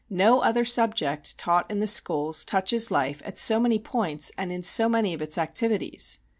No other subject taught in the schools touches life at so many points and in so many of its activities.